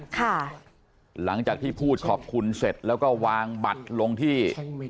หลังจากที่พูดขอบคุณเสร็จแล้วก็วางบัตรลงที่